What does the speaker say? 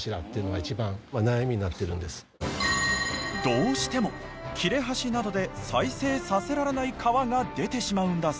どうしても切れ端などで再生させられない革が出てしまうんだそう。